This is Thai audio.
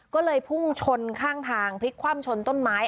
ก็เลยพุ่งชนข้างทางพลิกคว่ำชนต้นไม้